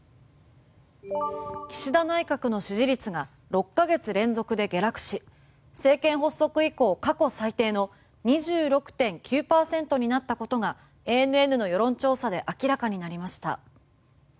岸田内閣の支持率が６ヶ月連続で下落し政権発足以降過去最低の２６．９％になったことがＡＮＮの世論調査で明らかになりました。